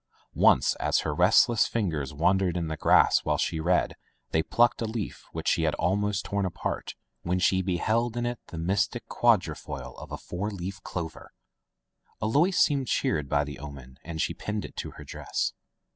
Once, as her restless fingers wandered in the grass while she read they plucked a leaf which she had almost torn apart, when she beheld in it the mystic quatrefoil of a four leaf clover! Alois seemed cheered by the omen, and she pinned it to her dress.